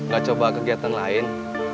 gak coba kegiatan lain